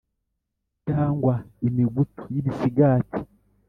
cyangwa imigutu y’ibisigati